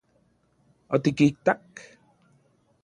¿Otikitak...?